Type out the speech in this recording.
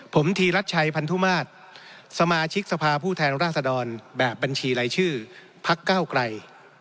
ผมธีรัชชัยพันธุมาตรสมาชิกสภาผู้แทนราษฎรแบบบัญชีรายชื่อพักเก้าไกล